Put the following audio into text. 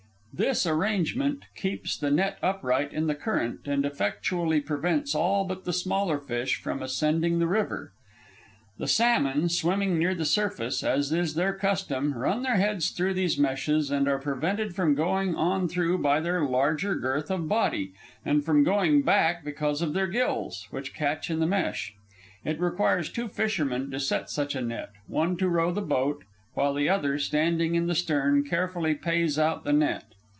This arrangement keeps the net upright in the current and effectually prevents all but the smaller fish from ascending the river. The salmon, swimming near the surface, as is their custom, run their heads through these meshes, and are prevented from going on through by their larger girth of body, and from going back because of their gills, which catch in the mesh. It requires two fishermen to set such a net, one to row the boat, while the other, standing in the stern, carefully pays out the net.